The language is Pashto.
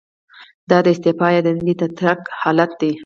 دا د استعفا یا دندې د ترک حالت دی.